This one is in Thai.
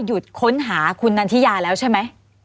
หยุดค้นหาคุณนันทิยาแล้วใช่ไหม